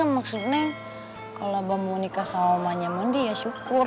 maksudnya kalau abah mau nikah sama umahnya mondi ya syukur